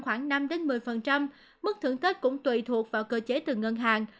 khoảng năm một mươi mức thưởng tết cũng tùy thuộc vào cơ chế từ ngân hàng